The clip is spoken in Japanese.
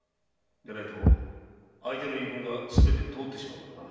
でないと相手の言い分がすべて通ってしまうからな。